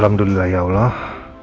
alhamdulillah ya allah